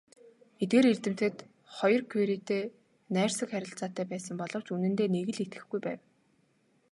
Эдгээр эрдэмтэд хоёр Кюретэй найрсаг харилцаатай байсан боловч үнэндээ нэг л итгэхгүй байв.